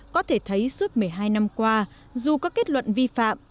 có thể thấy suốt một mươi hai năm qua dù có kết luận vi phạm